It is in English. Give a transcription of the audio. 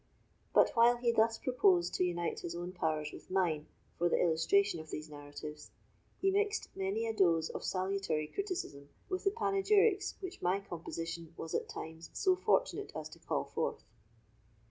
But while he thus proposed to unite his own powers with mine for the illustration of these narratives, he mixed many a dose of salutary criticism with the panegyrics which my composition was at times so fortunate as to call forth.